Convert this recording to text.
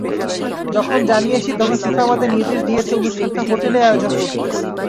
যখন জানিয়েছি, তখন ফিফা আমাদের নির্দেশ দিয়েছে অনুষ্ঠানটা হোটেলেই আয়োজন করতে।